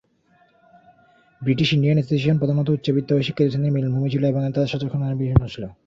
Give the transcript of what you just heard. British Indian association প্রধানত উচ্চবিত্ত ও শিক্ষিত শ্রেণীর মিলন ভূমি ছিল এবং তাদের স্বার্থ সংরক্ষণে এর বিশেষ নজর ছিল।